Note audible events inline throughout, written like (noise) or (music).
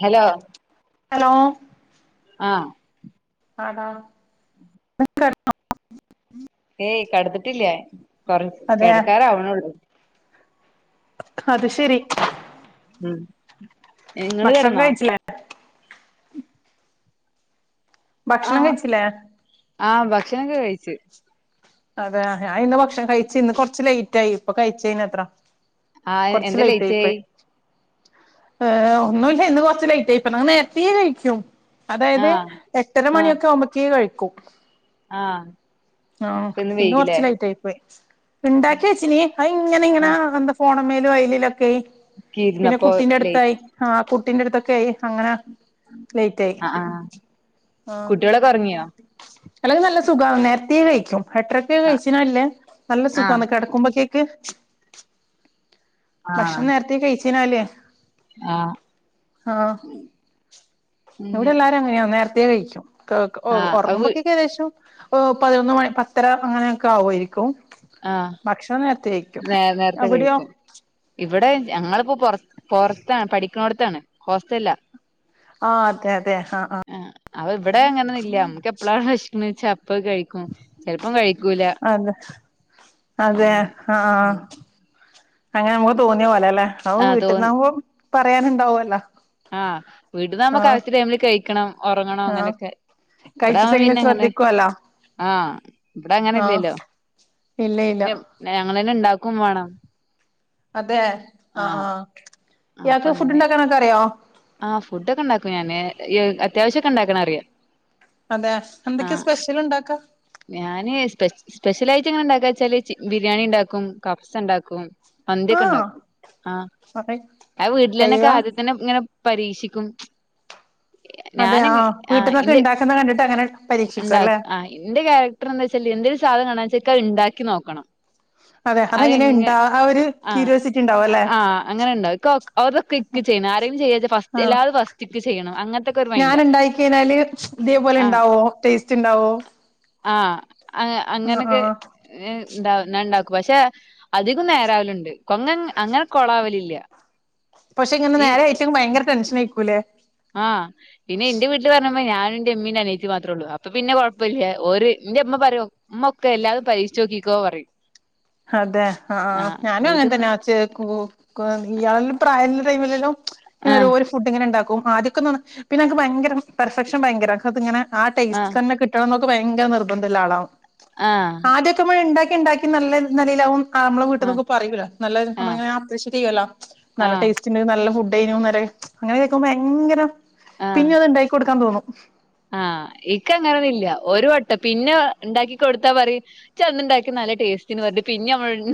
Hello hello ആ ആണോ (unintelligible) ഏയ് കടന്ന്ട്ടില്ല്യ ഞാൻ കൊറ അതെ കിടക്കാറാവ്ണാെള്ളൂ അത് ശെരി ഉം നിങ്ങള് ഭക്ഷണം കിടന്നോ കയ്ച്ചിലേ ആ. ഭക്ഷണം കഴിച്ചില്ലേ ആ ഭക്ഷണംക്കെ കഴിച്ച് അതേ ഞാനിന്ന് ഭക്ഷണം കഴിച്ച് ഇന്ന് കാെർച്ച് ലേറ്റായി ഇപ്പംകഴിചേനത്ര ആ എ എന്താ ലേറ്റായി ഏ ഒന്നുല്ല ഇന്ന് കൊറച്ച് ലേയ്റ്റായിപ്പൊ ഞാ നേരത്തെ കഴിക്കും അതായത് ആഹ് എട്ടര മണിയൊക്കെ ആവുമ്പക്കേ കഴി ക്കും ആ ഇന്ന് കൊറച്ച് ലേറ്റ് ആയി പോയി ഇണ്ടാക്കിവെച്ചിനി അയിഇങ്ങനെ ഇങ്ങനാ ആഹ് എന്താ ഫോണുംമേലും അയിലില ക്കയ് ക്ക് പിന്നെ ഇരുന്നപ്പോ ലേറ്റ് കുട്ടിന്റട്ത്തായി ആ കു കുട്ടിന്റെടുത്തൊക്കെ ആയി അങ്ങന ആ ആ കുട്ടികളൊക്കെ ഒറങ്ങിയോ അല്ലെങ്കി നല്ല സുഖാണ് നേരത്തേ കഴിക്കും എട്ടരക്കു ആഹ് കഴിചിനാല്ലെ ആഹ് നല്ലസുഖാണ് കിടക്കുമ്പേക്ക് ക്ക് ആഹ് ഭക്ഷണം നേരത്തെേ കഴിച് (unintelligible) ആഹ് ആ ഉം ഇവിടെ എല്ലാരും അങ്ങനെയാ നേര ത്തെ കഴിച്ചും കാക്ക ഓ ആഹ് അത് ഒറങ്ങുമ്പക്ക്കേക്കദേശം ഓ പതിനൊന്ന് മണി പത്തര അങ്ങനെയൊക്കെ ആവുവായിരിക്കും ആഹ് ഭക്ഷണം നേരത്തെ കഴിക്കും നേ നേരത്തെ അവിടെയോ കഴിക്കും ഇവിടെ ഞങ്ങള്പ്പോ പൊറ പൊറത്താണ് പഠിക്ക്ണോട്ത്താണ് ഹോസ്റ്റല് ല്ലാ ആ അതെ അതെ ആഹ് ആഹ് ആ അഹ് ഇവിടെ അങ്ങനീയൊന്നൂല്ല്യാ നമ്മുക്ക് എപ്പഴാണ് വെഷക്ക്ണെ ചെ അതെ അതെ അങ്ങനെ ആ അങ്ങനെ നമ്മള് തോന്നിയപോലേല്ലെ അവ് ആഹ് വീട്ടിന്നാവുമ്പം പറയാന്ണ്ടാവല്ലോ ആ വീട്ടീന്നാവുമ്പോ കറക്ട് ടൈമില് കഴി ക്കണം ഒറങ്ങണം ആഹ് അങ്ങനെക്കെ ഇവിടാവുമ്പോ കഴിച്ചിട്ടെങ്കിലും പിന്നെ ഇങ്ങനെ ശ്രദ്ധിക്കുവല്ലോ ആ ഇവിടെ അങ്ങനെ ആഹ് ഇല്ലല്ലോ ഇല്ല പിന്നേ ഇല്ല മേ ങ്ങളെന്നെ ഇണ്ടാ അതെ ആഹ് ആഹ് ഇയാക്ക് ഫുഡ്‌ ഇണ്ടാക്കാനൊക്കറിയോ ആ ആ ഫുഡൊക്കെണ്ടാക്കും ഞാന് ഈ അത്യാവശ്യൊക്കെ ഇണ്ടാക്കണറിയാം അതെ എന്തൊക്കെയാ ആഹ് സ്പെഷ്യൽ ഉണ്ടാക്കാ ഞാന് സ്പെ സ്പെഷ്യലായി റ്റ് ങ്ങനെ ഇണ്ടാക്കാച്ചാല് ചി ബിരിയാണിണ്ടാക്കും കബ്സണ്ടാക്കും ആഹ് മന്തിയൊക്കെണ്ടാക്കും ആ അതെ അഹ് വീട്ടിലന്നെ ക്ക് അയ്യോ ആദ്യംതന്നെ ഇങ്ങനെ പരീക്ഷിക്കും അതെ ഞാനങ്ങ് ആഹ് ആ വീട്ടിൽന്നൊക്കെ ഇന്റെ ഉണ്ടാക്കുന്ന കണ്ടിട്ട് അങ്ങനെ പരീക്ഷിക്കും ഇണ്ടാ അല്ലേ ആ ഇന്റെ ക്യാരക്ടര്‍ ന്ന് വെച്ചാല് ലെ എന്തൊരു സാധനം കാണാച്ചാ ക്കഹ് ഇണ്ടാക്കി നോക്കണം അതെ അഹ് അതെങ്ങനെ ന്നെ ഇണ്ടാ ആ ഒരു ആഹ് ക്യൂരിയോസിറ്റി ഉണ്ടാവും അല്ലെ ആ അങ്ങനണ്ടോ ഇക്കോ അതൊക്കെ ഇക്ക് ചെയ്യണം ആരങ്കിലും ചെയ്യാച്ച ആഹ് ഞാൻ മൈൻഡാ ഇണ്ടായിക്കഴിഞ്ഞാല് ഇതേപോലെ ഇണ്ടാവോ ടേസ്റ്റ്ണ്ടാവോ ആഹ് ആഹ് അങ്ങനൊക്കെ ഇണ്ടാവും ഞാണ്ടാക്കും പക്ഷെ അധികം നേരാവല്ണ്ട് കൊങ്ങൻ അങ്ങനെ കൊളാവല് ഇല്ല പക്ഷെ ഇങ്ങനെ നേരെ (unintelligible) ഭയങ്കര ടെൻഷൻ ആയിക്കൂലേ ആ പിന്നെ എന്റെ വീട്ടില് വരണം ഞാനും ന്റെ ഉമ്മിയിം ന്റെ അനിയത്തി മാത്രേ ഉള്ളൂ അപ്പൊ പിന്നെ കൊഴപ്പല്ലൃ ഓര് എന്റെ ഉമ്മ പറയും ഉമ്മ ഒക്കെ എല്ലാം പരീക്ഷിച്ചു നോക്കിക്കോ പറയും അതെ ആ ആഹ് ഞാനും അങ്ങനെ വീട്ടിന്ന് തന്നെയാ ഒച്ച കേക്കുമ്പോ കൊ ഇയാളിലും പ്രായം ഉള്ള ടൈം ഇല്ലല്ലോ ഇങ്ങനൊരു ആഹ് ഒരു ഫുഡ് ഇങ്ങനെ ഉണ്ടാക്കും ആദ്യൊക്കെ ന്ന്‌ പിന്നെ എനിക്ക് ഭയങ്കര പെർഫെക്ഷൻ ഭയങ്കരാ അത് ഇങ്ങനെ ആ ടേസ്റ്റ് ആഹ് തന്നെ കിട്ടണന്നൊക് ഭയങ്കര നിർബന്ധം ഇള്ള ആളാവും ആഹ് ആദ്യൊക്കെ മ്മഴ്ണ്ടാക്കി ഇണ്ടാക്കി നല്ല ഇത് നിലയിലാവും ആ നമ്മള് ആഹ് വീട്ടീന്നുക്ക പറയൂല്ലോ നല്ല ആഹ് നമ്മളിങ്ങനെ അപ്രീഷിയേറ്റ് ചെയുവല്ലോ നല്ല ആഹ് ടേസ്റ്റുണ്ട് നല്ല ഫുഡ്‌ (unintelligible) അങ്ങനെ കേക്കുമ്പോ ഭയങ്കരം പിന്നെ അത് ഉണ്ടാക്കി കൊടുക്കാൻ തോന്നും (unintelligible) ആ ഇക്ക് അങ്ങനൊന്നും ഇല്ല ഒരു വട്ടം പിന്നെ ഇണ്ടാക്കി കൊടുത്താ പറയും ച്ഛ് അന്നുണ്ടാക്കിയ നല്ല ടേസ്റ്റിന്ന്‌ പറഞ്ഞ് പിന്നെ നമ്മളു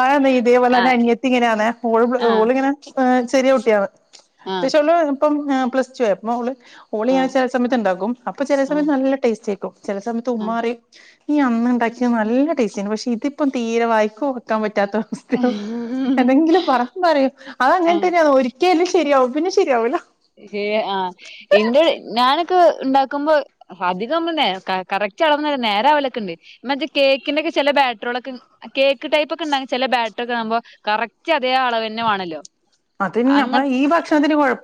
ആന്ന്‌ ഇതേപോലെ തന്നെ അനിയത്തി ഇങ്ങനെയാന്നെ ഓള് ആഹ് ഓളിങ്ങനെ ഏ ചെറിയ കുട്ടിയാണ് ആഹ് (unintelligible) പ്പം ഞാൻ പ്ലസ്ടു ആയപ്പോ ഓള് ആഹ് ഓളിയാരിച്ചാൽ ചില സമയത്തുണ്ടാക്കും അപ്പോ ചെല ആഹ് സമയത്ത് നല്ല ടേസ്റ്റാ ചെല സമയത്ത് ഉമ്മ ആഹ് പറയും നി അന്നുണ്ടാക്കിയ നല്ല ടേസ്റ്റേയ്നു പക്ഷെ ഇതിപ്പം തീരെ വായി ക്ക് ഓർക്കാൻ പറ്റ് റ്റാത്ത അവസ്ഥയാണ് എന്തെങ്കിലും പറാന്ന് റയും ആ ആഹ് അങ്ങനെത്തന്നെണ് ഒരിക്ക് കേൽ ശെരിയാവും പിന്നെ ശെരിയാവൂല ര് ആ ഇൻ്റെ ഞാനൊക്കെ ഇണ്ടാകുമ്പോ അധികം നേ ക കറക്റ്റ് അളവൊന്നല്ല നേരാവലൊക്കെണ്ട് ഇമ്മച്ചി കേക്കിൻ്റെ ചില ബാറ്റ്ർകളൊക്കെ കേക്ക് ടൈപ്പ് ഒക്കെ ഉണ്ടാക്കു ചെല ബാറ്റ്റുകളാകുമ്പോ കറക്റ്റ് അതേ അളവന്നെ വേണല്ലോ അതിഞ്ഞ് നമ്മളെ ഈ ഭക്ഷണത്തിന് കൊഴപ്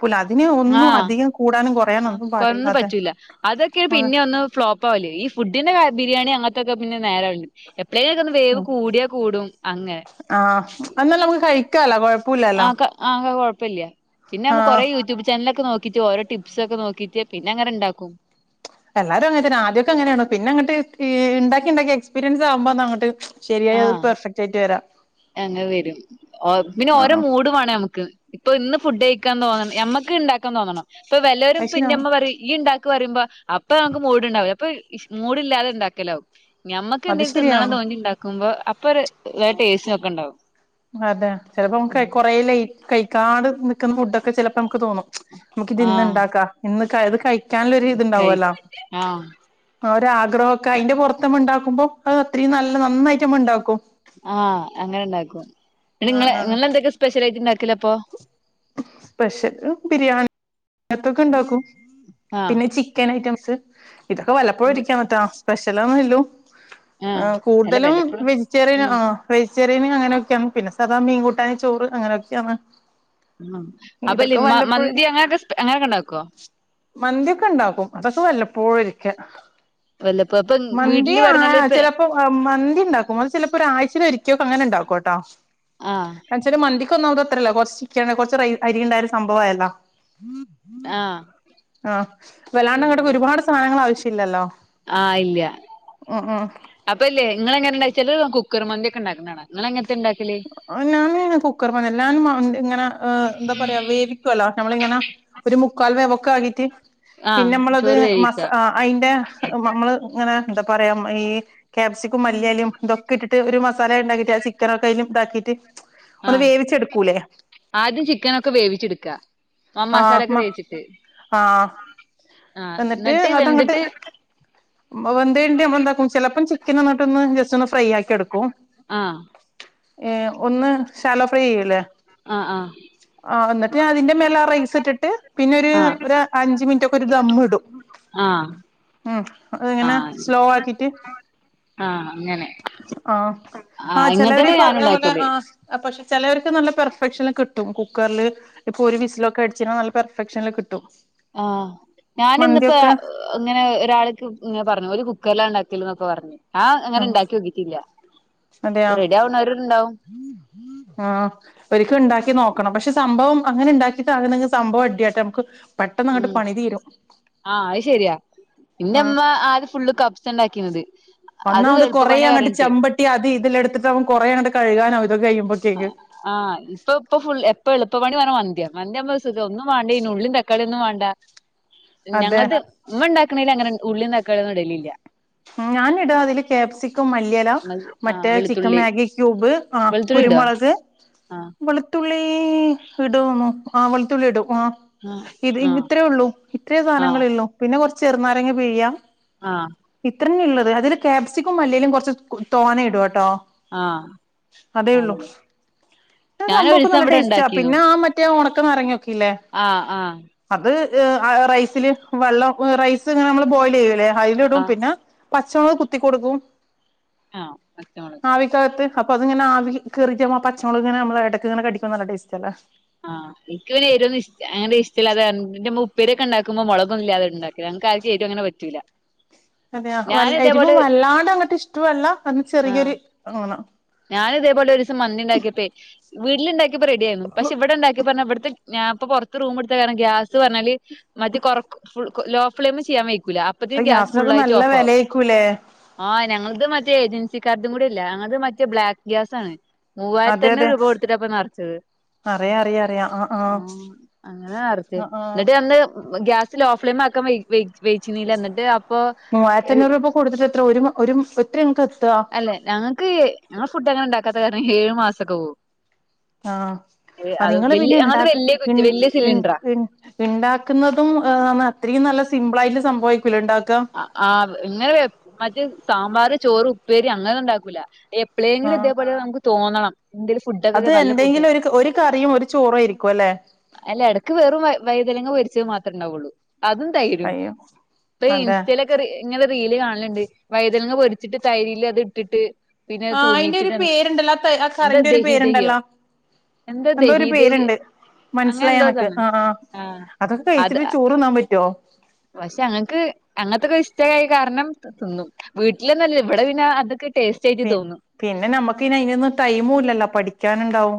ആ ആ ഒന്നും പാടില്ല കൊയന്ന് അതെ പറ്റൂല്ല അതൊക്കെ അതെ പിന്നെ ഒന്ന് ഫ്‌ളോപ്പാവൂല്ലേ ഈ ഫുഡിന് കാരൃ ബിരിയാണി അങ്ങനത്തൊക്കെ പിന്നെ നേരാവന് എപ് പ്പ്ളേലൊന്ന് വേവ് കൂടിയാ കൂടും അങ്ങനെ ആ എന്നാൽ (unintelligible) ആക്ക (unintelligible) ഇപ്പല്ലിയ പിന്നെ ആഹ് മ്മക്കെറെ യൂട്യൂബ് ചാനലക്കെ നോക്കി കിച്ചോ ഓരോ ടിപ്സ് ഒക്കെ നോക്കിട്ട് പിന്നെങ്ങനെ ഉണ്ടാക്കും എല്ലാരു അങ്ങൻ തന്നെ ആദ്യക്കെങ്ങനെണു പിന്നെങ്ങട്ട് ഇണ്ടാക്കിണ്ടാക്കി എക്സ്പീരിയൻസ് ആവ്‌മ്പോ അങ്ങട്ട് ശരിയായാ അത് പെർഫക്റ്റ് ആയിട്ട് വരാം എങ്ങ വരും (unintelligible) പിന്നെ ഓരോ ആഹ് മൂഡ് വേണമ്മക്ക് ഇപ്പൊന്ന് ഫുഡഴിക്കാൻ നോ നമ്മക്ക് ഇണ്ടാ ക്ക തോന്നണം ഇപ്പൊ വല്ലരും അത് ശരിയാ പിന്നെമ്മ പറയ് ഇയ്യ് ണ്ടാക്ക ക്കു വരുമ്പോ അപ്പൊ നമുക്ക് മൂടിണ്ടാവില്ല അപ്പൊ മൂടില്ലാതെ ഉണ്ടാക്കലാവും നമ്മക്ക് അത് എന്തേലും തിന്നണം ശരിയാണ് തോന്നി ഉണ്ടാക്കുമ്പോ അപ്പൊരു വേ ടേസ്റ്റാ ക്കെണ്ടാവും അതെ ചെലപ്പോ നമുക്ക് കുറേ ലേ കൈക്കാണ്ട് നിക്കുന്ന ഫുഡൊക്കെ ചെലപ്പോ നമുക്ക് തോന്നും. നമുക്കിത് ആഹ് ഇന്ന്ണ്ടാക്കാ ഇന്ന് കയത് കഴി കഴി ക്കാനുള്ളൊരുത്ണ്ടാവല്ലോ ആഹ് ഒരാഗ്രഹൊക്കെ ഐൻ്റെ പൊർത്ത് നമുണ്ടാക്കാ മ്പ അത് അത്രയും നല്ല നന്നായിട്ടമ്മ ഉണ്ടാക്കും ആഹ് അങ്ങനെണ്ടാ ന്നട്ട് ങ്ങൾ ന്ന് ന്തൊക്കെ സ്പെഷ്യലായിട്ട് ണ്ടാക്ക് സ്പെഷ്യല് ബിരിയാ ങ്ങത്തൊക്കെ ണ്ടാക്കും ആഹ് പിന്നെ ചിക്കൻ ഐറ്റംസ് ഇതൊക്കെ വല്ലപ്പോഴും ഒരിക്കെ ആണുട്ടാ സ്‌പെഷ് ഹലോ ഹലോ ആ ആഹ് അല്ല കൂടുതലും വല്ലപ്പോഴും വെജിറ്റേറിയൻ ഉം ആ ഫ്രൈ ചെറിയ മീന് അങ്ങനൊക്കെയാണ് പിന്നെ സാധാ മീൻകൂട്ടാൻ ചോറ് അങ്ങനെയൊക്കെയാന്ന്. ഉം അപ്പൊ ഇതൊക്കെ മന്തി വല്ലപ്പോഴാരിക്കും അങ്ങനൊക്കെ അങ്ങനൊക്കെ ഉണ്ടാക്കോ മന്തിയൊക്കെണ്ടാക്കും അതൊക്കെ വല്ല (unintelligible) വല്ലപ്പോ ഇപ്പൊ മന്തി വീട്ടില് ആ പറഞ്ഞാല് ചിലപ്പോ മന്തി ഇണ്ടാക്കും അ ചിലപ്പോ ഒരാഴ് ച്ചേൽ ഒരിക്കക്കേ അങ്ങനെ ഉണ്ടാക്കൂട്ടോ. ആഹ് (unintelligible) മന്തി ക്കൊന്നാമതത്രല്ല കൊർച് ചിക്കൻ കൊർച്ച് റൈ അരിയുണ്ടായൊരു സംഭവായല്ലോ ആഹ് ആ വല്ലാണ്ട്ങ്ങട്ടക്ക അങ്ങനെ ഒരുപാട് സാധനങ്ങൾ ആവശ്യ ഇല്ലല്ലോ ആഹ് ഇല്ല്യ അപ്പല്ലേ ങ്ങളെങ്ങനെ (unintelligible) കുക്കർ മന്തി ഒക്കെണ്ടാക്ക്ണാണ ഞാനിങ്ങനെ കുക്കർ പറഞ്ഞ ഞാൻ (unintelligible) ങ്ങനെ എന്താ പറയാ വേവിക്കുവല്ലോ നമ്മളിങ്ങനെ ഒരു മുക്കാൽ വേവൊ കാകിട്ട് പിന്നെ ആഹ് മ്മളത് ചോറ് മസ വേവിക്ക അയ്ന്റെ നമ്മള് ഇങ്ങനെ എന്താ പറയാ ഈ ക്യാപ്സിക്കും മല്ലിയലിം ഇതൊക്കെ ഇട്ടിട്ട് ഒരു മസാ സാല ണ്ടാക്കിട്ട് ആ ചിക്കൻ ണ്ടാക്കിട്ട് ആഹ് ആദ്യം ചിക്കനൊക്കെ വേവിച്ച്ട്ക്കാ ആ മ ആഹ് ആഹ് എന്നിട്ട് ഇന്നട്ട് അതങ്ങട്ട് വെന്തിട്ട് വെന്തീണ്ടേ നമ്മൾ എന്താക്കും ചിലപ്പം ചിക്കനൊന്ന് ട്ടെന്ന് (unintelligible) ഫ്രൈ ആക്കി എടുക്കും ആഹ് ഏ ഒന്ന് ശാലോഫ്രൈ ചെയ്യൂല്ലേ ആഹ് ആഹ് ആ എന്നിട്ട് ഞാ അതിന്റെ മേല തിട്ട് പിന്നെ ഒരു ആഹ് ഒരു അഞ്ചു മിനിറ്റ് ഒക്കെ ഒരു ദമ്മിടും ആഹ് മ് അതിങ്ങനെ ആഹ് സ്ലോ ആകീറ്റ് ആഹ് അങ്ങനെ ആ ആ ആഹ് ചെലവര് ഇങ്ങൻത്തന്നെ ഇപ്പൊ ഞാനും പറഞ്ഞപോലെ ഇണ്ടാക്കല് ആ പക്ഷെ ചിലവർക്ക് നല്ല പെർഫെക്ഷന് കിട്ടും കുക്കറിൽ ഇപ്പൊ ഒരു വിസില് കടിച്ച നല്ല പെർഫെക്ഷനിൽ കിട്ടും ആ ഞാന്നിപ്പോ മന്തിയൊക്കെ ഇങ്ങനെ ഒരാൾക്ക് ഇ പറഞ്ഞു ഒരു കു ക്കറിലാ ഉണ്ടാക്കല്ന്നൊക്കെ പറഞ്ഞ് ആ അതെയ റെഡി ആവ്ണോര്ണ്ടാവും ആ ഒരിക്കല് ഇണ്ടാക്കി നോക്ക ണം പക്ഷെ സംഭവം അങ്ങനെ ഉണ്ടാക്കിയിട്ട് ആണെങ്കിൽ സംഭവം അടിയാട്ടാ നമുക്ക് പെട്ടെന്ന് അങ്ങോട്ട് മ് പണി തീരും ആ അത് ശരിയാ ആഹ് പിന്നെമ്മ ആദ്യ ഫുള്ള് ക ബ്സണ്ടാകീഞ്ഞത് ഒന്നാമത് കൊറേ അങ്ങട്ട് ചെമ്പട്ടി അതി ഇതില് എടുത്തിട്ടാവും കുറേ അങ്ങട്ട് കഴുകാന് ആ ആ ഇപ്പ ഇപ്പൊ ഫു എപ്പ എളുപ്പ പണി മന്തിമ്മക്ക് സുഖം ഒന്നും വേണ്ടയ്നും ഉള്ളീം തക്കാളീം ഒന്നും വേണ്ട അതെ ഞങ്ങളത് ഉമ്മ ഉണ്ടാക്ക്ണീലാ അങ്ങനെ ഉള്ളീം തക്കാളീം ഒന്നും ഇടലില്ല ഞാനിടും അതില് കാപ്സികം മല്ലിയെല ആഹ് മറ്റേ ചിക്കൻ വെളുത്തുള്ളി മാഗി ക്യൂബ് ആ വെളുത്തുള്ളി ഇടോ കുരുമുളക് ആഹ് വെളുത്ത ത്തുള്ളി ഇടോന്നോ ആ വെളുത്തുള്ളി ഇടും ആ ആഹ് ഇത് ഇത്രേ ഉള്ളൂ ഇത്രയേ സാധനങ്ങള്ളൂ ചെറുനാരങ്ങ പിഴിയാ ആ ഇത്ര ഞ്ഞെ ഉള്ളത് അതില് ക്യാപ്സിക്കും മല്ലിയലയും കുറച്ച് തോഞ്ഞെ ഇടോട്ടോ ആഹ് ആഹ് അതേള്ളുഇത് ഞാന് സംഭവം ഒക്കെ ഒരീസം നല്ല ടേസ്റ്റ ആ പിന്നെ ആ മറ്റേണ ക്കെ മറിഞ്ഞു ആ ആ ത് റൈസില് വെള്ളം റൈസ് ഇങ്ങനെ നമ്മള് ബോയില് ചെയ്യൂല്ലേ ആഹ് പിന്നെ പച്ചമുളക് കുത്തി കൊടുക്കും ആ പച്ചമുളക് ആവിക്കകത്ത് അപ്പൊ അതിങ്ങനെ ആവി കേറീട്ട് ആ പച്ചമുളക്ങ്ങനെ നമ്മള് ഇടക്ക്ങ്ങനെ കടിക്കുന്നത് നല്ല ടേസ്റ്റ് അല്ലെ ആഹ് ഇക്ക് പിന്നെ ഉപ്പേരിഒക്കെണ്ടാക്കുമ്പോ മുളക് ഇല്ലാതെണ്ടാക്കലാ ഞങ്ങക്ക് ആർക്കും യരു അങ്ങനെ പറ്റൂല അതെ വ ഞാന് എരിവ് ഇതേപോലെ വല്ലാണ്ട് അങ്ങട്ട് ഇഷ്ട്ടുഅല്ല എന്നാ ആഹ് ചെറിയൊരു എ വേ ഞാന് ഇതേപോലെ ഒരു ദിവസം മന്തി ഉണ്ടാക്കിയപ്പെ വീട്ടിലുണ്ടാക്കി റെഡിയായി പക്ഷെ ഇവിടെ ഉണ്ടാക്കി പറഞ്ഞ ഇവിടുത്തെ ഞാൻ ഇപ്പ പുറത്ത് റൂം എടുത്താ കാരണം ഗ്യാസ് പറഞ്ഞാല് മറ്റെ കൊറ ഫുൾ ലോ ഫ്ലെയിമ് ചെയ്യാൻ വെയ് അപ്പത്തിനു ഇപ്പൊ ഗ്യാസ് ഫുൾ ഗ്യാസിനൊക്കെ ആയിട്ട് നല്ല ഓഫാകും വെലയേക്കൂലേ ആ ഞങ്ങള്ത് ഇജ്ജ് ഏജൻസിക്കാർഡും കൂടി അല്ല ഞങ്ങൾത് മറ്റ ബ്ലാക് ഗ്യാസ് ആണ് അതെ അതെ മൂവായിരത്തിണ്ണൂറ് രൂപ കൊടുത്തിട്ടപ്പൊ നിറച്ചത് അറിയാ അറിയാ അറിയാ ആ ആ അങ്ങനെ നിറച്ച് ആ ആ എന്നിട്ട് അന്ന് ഗ്യാസിൽ ലോഫ്ലെയിം ആക്കാ വെയ്ചീ ന്നീല്ല എന്നിട്ട് മൂവായിരത്തിഅഞ്ഞുറ് രൂപ കൊടു എത്ര ഒരു ഒരു ഒത്തിരി ങ്ങക്ക് അല്ല ഞങ്ങക്ക് ഞങ്ങൾ ഫുഡ്ങ്ങനെ ണ്ടാക്കാത്ത കാരണം ഏഴു മാസം കൗ ആഹ് അ നിങ്ങൾ പിന്നെ ഞങ്ങളത് വല്യ ഇണ്ടാക്കന്നഇൺ കുറ്റി വല്യ ഇ ൺ സിലിണ്ടറാ ഇ ൺ ഇണ്ടാക്കുന്നതും ഇത്രയും നല്ല സിമ്പിളായിട്ട് സംഭവിക്ക ആ ഇങ്ങനെ മറ്റേ സാമ്പാർ ചോറ് ഉപ്പേരി അങ്ങനെ ഉണ്ടാക്കൂല ആ എപ്പോഴെങ്കിലും ഇതേപോലെ നമുക്ക് തോന്നണം എന്തേും ഫുഡൊക്കെക്കെ അത് നല്ല ഫുഡ് എന്തെങ്കിലും ഒരു ഒരു കറിയും ഒരു ചോറും ആയിരിക്കും അല്ലെ അല്ല ഇടക്ക് വെറും വൈതനങ്ങ പൊരിച്ചത് മാത്രം ഇണ്ടാക്കുള്ളൂ അതും തൈരും അയ്യോ ഇ അതെ ഇങ്ങനെ റീല് കാണലുണ്ട് വൈതലങ്ങ പൊരിച്ചിട്ട് തൈരിൽ അത് ഇട്ടിട്ട് പിന്നെ ആ അയിന്റെ ഒരു തൂമിച്ചിട്ട് പേരുണ്ടല്ലോ ആ എന്താ കറിന്റെ ഒരു ദഹി ദഹിയോ പേരുണ്ടല്ലോ എന്താ എന്തോ ഒരു ദഹി ദഹി പേരുണ്ട് അങ്ങനെ മനസ്സിലായി എനക്ക് എന്തോതാണ് ആ ആ ആഹ് അതൊക്കെ കഴിച്ചിട്ട് ചോറുന്നാൻ പറ്റുവോ? പക്ഷേ ഞങ്ങക്ക് അങ്ങനത്തക്കെ ഇഷ്ടമായ കാരണം തിന്നും വീട്ടിലന്നുല്ല ഇവിടെ പിന്നെ അതൊക്കെ ടേസ്റ്റ് ആയിട്ട് പി തോന്നും പിന്നെ നമ്മുക്ക് ഇതിനൊന്നും ടൈമും ഇല്ലല്ലോ പഠി ക്കാനുണ്ടാവും.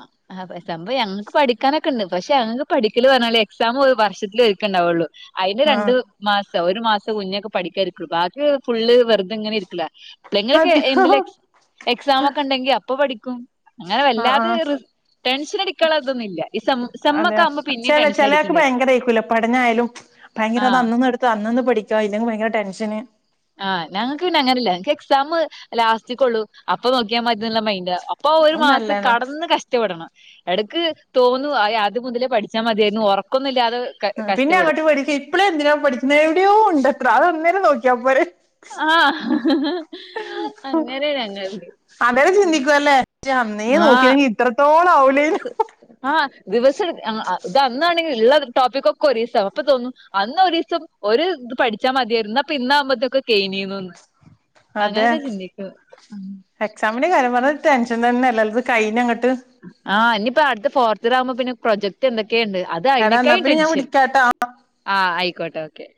അ അതെ സംഭവം ഞങ്ങക്ക് പഠിക്കാനൊക്കെ ഇണ്ട് പക്ഷേ ഞങ്ങക്ക് പഠിക്കല് പറഞ്ഞാല് എക്സാം ഒരു വർഷത്തില് ഒരുക്കേ ഇണ്ടാവുള്ളു. അതിന് ആ രണ്ടു ദി മാസം ഒരു മാസം മുന്നെ ഒക്കെ പഠിക്കാരിക്കുള്ളു ബാക്കി ഫുള്ള് വെറുതെ ഇങ്ങനെ ഇരിക്കലാ ഇങ്ങളക്കെ അത് എന്തിലാ എക്സാം ഒക്കെ ഉണ്ടെങ്കില് അപ്പൊ പഠിക്ക (unintelligible) അങ്ങനെ വല്ലാതെ അഹ് ടെൻഷൻ അടിക്കാനുള്ള ഇതൊന്നും ഇല്ല ഈ സെം അതെയ സെമ്മൊക്കെ ആകുമ്പോ പിന്നേം ച ടെൻഷൻ ചിലയാൾക് അടിക്കേണ്ടി വരും ഭയങ്കര ആയിക്കൂലെ പഠനയാലും ഭയങ്കര അത് ആഹ് അന്നന്ന് എടുത്ത് അന്നന്ന്‌ പഠി (unintelligible) ഭയങ്കര ടെൻഷന് ആഹ് ഞങ്ങക്ക് പിന്നെ അങ്ങനെ അല്ല എക്സാം ലാസ്റ്റക്കുള്ളു അപ്പ നോക്കിയാ മതി എന്നുള്ള മൈന്റാ അപ്പൊ ഒരു അത് മാസം നല്ലതാ കടന്ന് കഷ്ടപ്പെടണം എടക്ക് തോന്നു അ അദ്യ മുതലേ പഠിച്ചാ മതിയായിരുന്നു ഉറക്കൊന്നുമില്ലാതെ പിന്നെ അങ്ങട്ട് പഠിക്ക ഇപ്പോളെ എന്തിനാ പഠിക്കുന്ന എവിടെയോ ഉണ്ടത്ര അതൊന്ന നോക്കിയാപ്പോരെ ആഹ് അങ്ങനെ ഞങ്ങള് അന്നേരം ചിന്തിക്കും അല്ലേ അന്നേ ആഹ് നോക്കിയില്ലെങ്കിൽ ഇത്രത്തോളം ആവൂലേനു ആഹ് ദിവസം ഇതന്നാണെങ്കിൽ ഉള്ള ടോപ്പിക്ക് ഒക്കെ ഒരു ദിവസം അപ്പൊ തോന്നും അന്ന് ഒരു ദിവസം ഒരു ഇത് പഠിച്ചാൽ മതിയായിരുന്നു അപ്പൊ ഇന്നാകുമ്പോത്തൊക്കെ കെയിഞ്ഞിനെന്ന് അങ്ങനൊക്കെ ചിന്തിക്കുവോ മിന്റെ കാര്യം പറഞ്ഞ ടെൻഷൻ തന്നെല്ലേ അത് കഴിഞ്ഞങ്ങട്ട് ആ ഇനി അടുത്തത് ഫോർത്ത് ഇയർ ആകുമ്പോ പിന്നെ പ്രൊജക്ട് എന് എടാന്നാ പിന്നെ ഞാൻ വിളിക്കാട്ടാ ആ ആയിക്കോട്ടെ ഓക്കെ